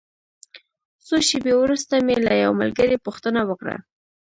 څو شېبې وروسته مې له یوه ملګري پوښتنه وکړه.